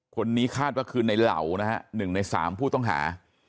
คนนี้คาดว่าคือในเหล่านะฮะ๑ใน๓ผู้ต้องหา